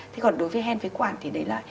thế còn đối với hen phế quản thì đấy là